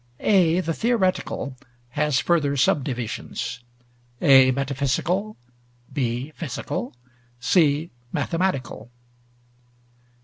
(a) The Theoretical has further subdivisions: (a) Metaphysical, (b) Physical, (c) Mathematical.